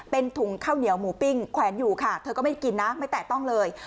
เป็นถุงข้าวเหนียวหมูปิ้งแขวนอยู่ค่ะเธอก็ไม่ได้กินนะไม่แตะต้องเลย